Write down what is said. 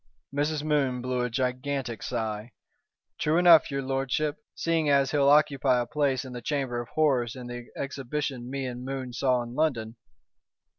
Mrs. Moon blew a gigantic sigh. "True enough, your lordship, seeing as he'll occupy a place in the Chamber of Horrors in the exhibition me and Moon saw in London.